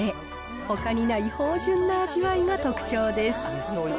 ほかにない芳じゅんな味わいが特徴です。